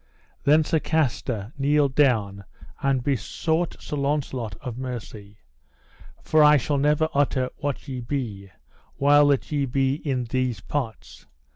Then Sir Castor kneeled down and besought Sir Launcelot of mercy: For I shall never utter what ye be, while that ye be in these parts.